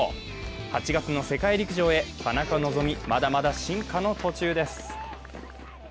８月の世界陸上へ田中希実、まだまだ進化の途中です。